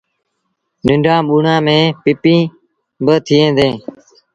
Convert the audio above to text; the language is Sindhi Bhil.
ننڍآن ٻوڙآن ميݩ پپيٚن با ٿئيٚݩ ديٚݩ۔